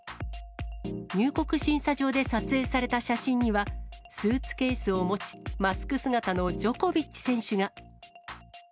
入国審査場で撮影された写真には、スーツケースを持ち、マスク姿のジョコビッチ選手が。